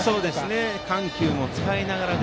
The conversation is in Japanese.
緩急も使いながら。